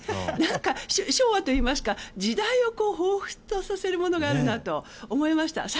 何か昭和といいますか時代をほうふつとさせるものがあるなと思いました。